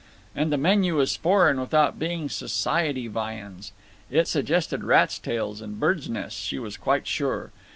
And the menu was foreign without being Society viands. It suggested rats' tails and birds' nests, she was quite sure.